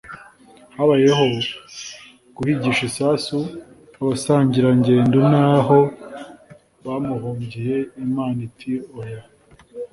habayeho guhigisha isasu abasangirangendo n’aho bamuhungiye Imana iti “hoya